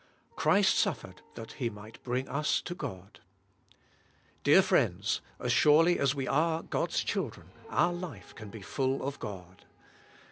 Christ suffered that "He might bring us to God." Dear friends, as surely as we ar.e God's children our life can be full of God.